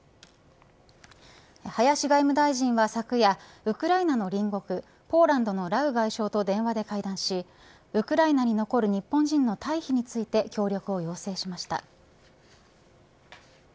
林外務大臣は昨夜ウクライナの隣国ポーランドのラウ外相と電話で会談し、ウクライナに残る日本人の退避について協力を要請しました。